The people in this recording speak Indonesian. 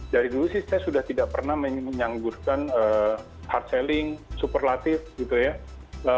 dari dulu sih saya sudah tidak pernah menyanggurkan hard selling superlatif gitu ya